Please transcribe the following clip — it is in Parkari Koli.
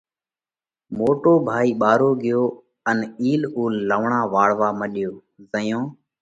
موٽو ڀائِي ٻارو ڳيو ان اِيل اُول لوَڻا واۯوَا مڏيو زائين